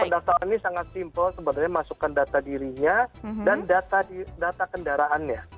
pendaftaran ini sangat simpel sebenarnya masukan data dirinya dan data kendaraannya